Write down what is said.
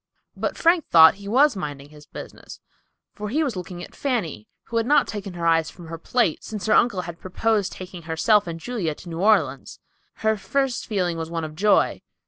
But Frank thought he was minding his business; for he was looking at Fanny, who had not taken her eyes from her plate since her uncle had proposed taking herself and Julia to New Orleans. Her first feeling was one of joy.